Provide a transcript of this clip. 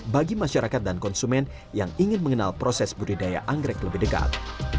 bagi masyarakat dan konsumen yang ingin mengenal proses budidaya anggrek lebih dekat